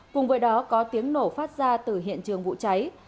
cùng với đó có tiếng nổ phát ra từ hiện trường vụ cháy